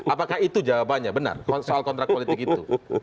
apakah itu jawabannya benar soal kontrak politik itu